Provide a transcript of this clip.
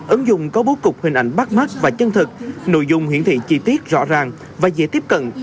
ứng dụng có bố cục hình ảnh bắt mắt và chân thực nội dung hiển thị chi tiết rõ ràng và dễ tiếp cận